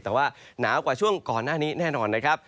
แต่ว่าหนาวกว่าช่วงก่อนหน้านี้แน่นอนนะครับ